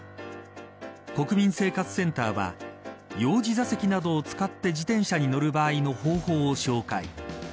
国民生活センターは幼児座席などを使って自転車に乗る場合の方法を紹介。